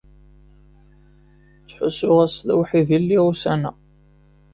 Ttḥusuɣ-as d awḥid i lliɣ ussan-a.